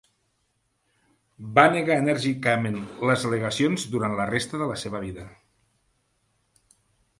Va negar enèrgicament les al·legacions durant la resta de la seva vida.